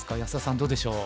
どうでしょう？